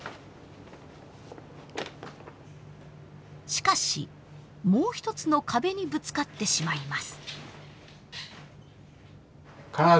しかしもう一つの壁にぶつかってしまいます。